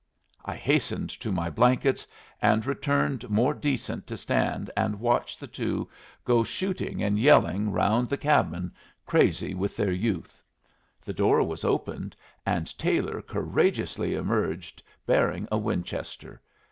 I hastened to my blankets, and returned more decent to stand and watch the two go shooting and yelling round the cabin, crazy with their youth. The door was opened, and Taylor courageously emerged, bearing a Winchester.